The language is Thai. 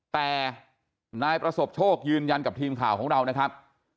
แต่นายประสบโชคยืนยันกับทีมข่าวของเรานะครับ